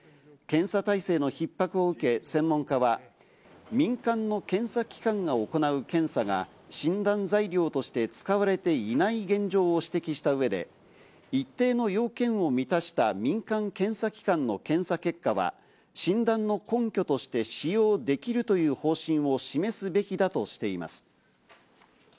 検査体制の逼迫を受け専門家は、民間の検査機関が行う検査が診断材料として使われていない現状を指摘した上で一定の要件を満たした民間検査機関の検査結果は診断の根拠として使用できるという方針を示すべきだとしています。